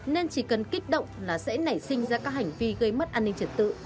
nên chỉ cần kích động là sẽ nảy sinh ra các hành vi gây mất an ninh trật tự